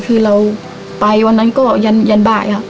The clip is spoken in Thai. เราไปวันนั้นก็ยานบ่าย